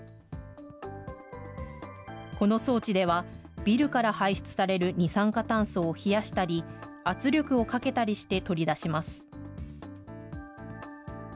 この装置では、ビルから排出される二酸化炭素を冷やしたり、圧力をかけたりして取り出します。